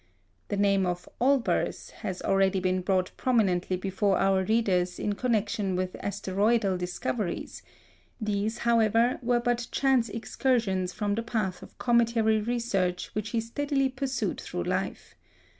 The name of Olbers has already been brought prominently before our readers in connection with asteroidal discoveries; these, however, were but chance excursions from the path of cometary research which he steadily pursued through life.